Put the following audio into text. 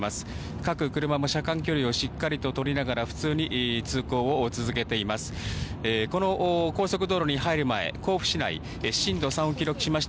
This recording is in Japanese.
各車も車間距離をしっかりと取りながら普通に通行を続けています。